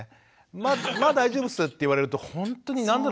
「まあ大丈夫っす」って言われるとほんとに何だろ